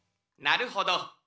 なるほど。